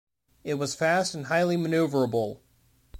It was fast and highly maneuverable.